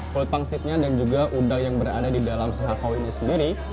kulit pangsitnya dan juga udang yang berada di dalam sehakau ini sendiri